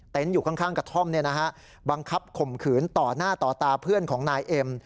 อยู่ข้างกระท่อมบังคับข่มขืนต่อหน้าต่อตาเพื่อนของนายเอ็ม